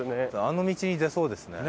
あの道に出そうですね。